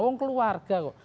oh keluarga kok